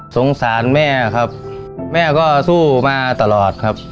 สงสารแม่ครับแม่ก็สู้มาตลอดครับ